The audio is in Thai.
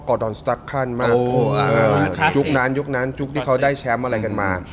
อดอนสตั๊กคันมากยุคนั้นยุคนั้นยุคที่เขาได้แชมป์อะไรกันมา